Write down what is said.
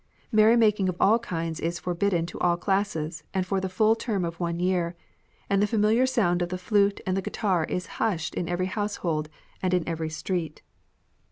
Merrymaking of all kinds is for bidden to all classes for the full term of one year, and the familiar sound of the flute and the guitar is hushed in every household and in every street.